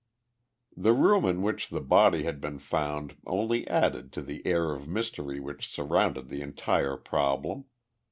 The room in which the body had been found only added to the air of mystery which surrounded the entire problem.